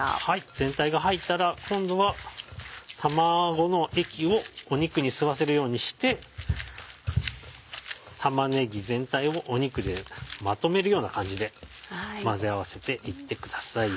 全体が入ったら今度は卵の液を肉に吸わせるようにして玉ねぎ全体を肉でまとめるような感じで混ぜ合わせていってください。